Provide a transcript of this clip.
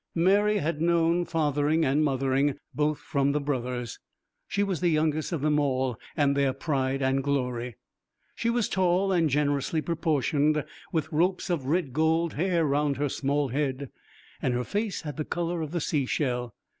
Mary had known fathering and mothering both from the brothers. She was the youngest of them all, and their pride and glory. She was tall and generously proportioned, with ropes of red gold hair round her small head, and her face had the colour of the sea shell.